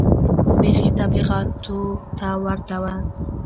بيخي تبليغيانو ته ورته و.